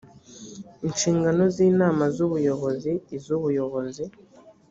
inshingano z inama y ubuyobozi iz ubuyobozi